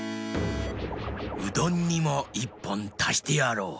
うどんにも１ぽんたしてやろう。